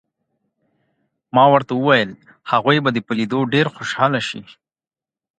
ما ورته وویل: هغوی به دې په لیدو ډېر خوشحاله شي.